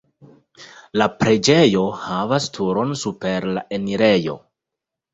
La preĝejo havas turon super la enirejo.